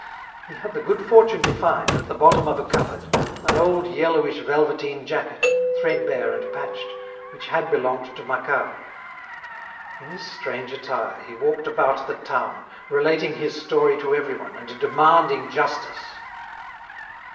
He had the good fortune to find, at the bottom of a cupboard, an old yellowish velveteen jacket, threadbare and patched, which had belonged to Macquart. In this strange attire he walked about the town, relating his story to everyone, and demanding justice.